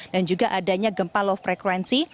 dan juga adanya gempa low frequency